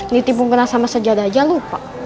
niti menggunakan sajadah aja lupa